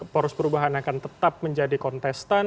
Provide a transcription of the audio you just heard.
poros perubahan akan tetap menjadi kontestan